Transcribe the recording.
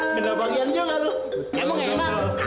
bener bagiannya gak lo emang enak